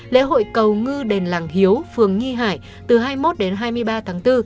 lễ hội cầu ngư đền làng hiếu phường nghi hải từ hai mươi một đến hai mươi ba tháng bốn